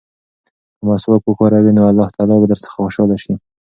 که مسواک وکاروې نو الله تعالی به درڅخه خوشحاله شي.